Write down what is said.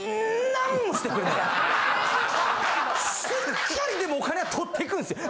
しっかりでもお金は取っていくんですよ。